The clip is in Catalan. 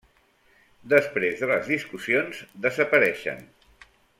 Després de les discussions, desapareixen.